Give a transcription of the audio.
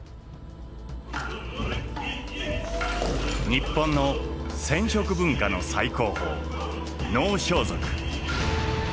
日本の染織文化の最高峰能装束。